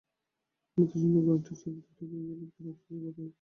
মতির সুন্দর গড়নটি চর্বিতে ঢাকিয়া গেলে বড় আপসোসের কথা হইত।